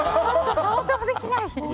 想像できない。